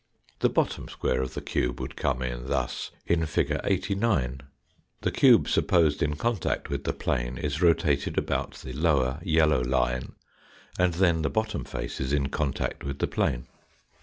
The bottom square of the cube would come in thus in figure 89. The cube supposed in contact with the plane is rotated about the lower yellow line and then the bottom face is in contact with the plane.